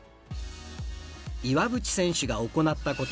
岩渕選手が行ったこと。